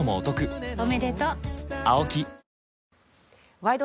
「ワイド！